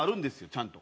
ちゃんと。